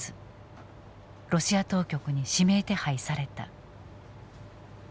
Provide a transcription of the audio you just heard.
ロシア当局に指名手配された。